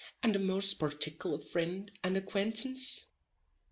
and a most particuller frind and acquaintance?